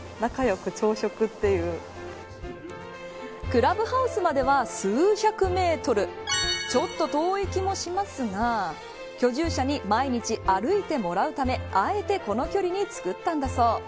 クラブハウスまでは数百メートルちょっと遠い気もしますが居住者に毎日歩いてもらうためあえてこの距離につくったんだそう。